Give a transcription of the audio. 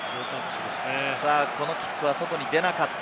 このキックは外に出なかった。